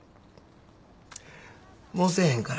もうせえへんから。